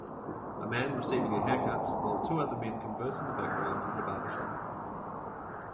A man receiving a haircut while two other men converse in the background at a barber shop